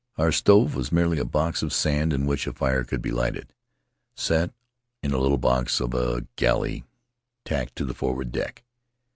Our stove was merely a box of sand in which a fire could be lighted, set in a little box of a galley tacked to the forward deck.